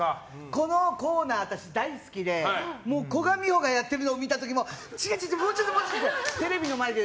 このコーナー、私大好きで古閑美保がやっている時見た時も違う違う、もうちょっと！ってテレビの前で。